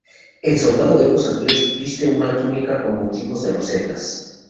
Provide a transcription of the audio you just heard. El soldado, de ojos azules, viste una túnica con motivos de rosetas.